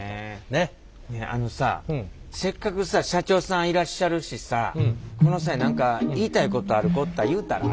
ねえあのさせっかくさ社長さんいらっしゃるしさこの際何か言いたいことある子おったら言うたら？